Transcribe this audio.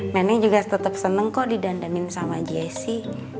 neneng juga tetep seneng kok didandanin sama jessi